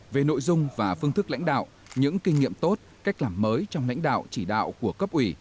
về nội dung và phương thức lãnh đạo những kinh nghiệm tốt cách làm mới trong lãnh đạo chỉ đạo của cấp ủy